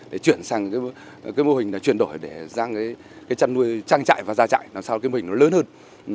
để chuyển sang mô hình chuyển đổi để chăn nuôi trang trại và ra trại làm sao mô hình lớn hơn